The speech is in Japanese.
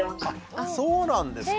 あそうなんですか。